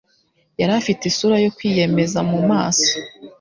yari afite isura yo kwiyemeza mu maso.